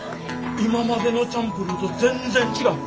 今までのチャンプルーと全然違う！